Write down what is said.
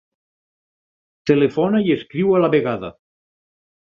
Telefona i escriu a la vegada.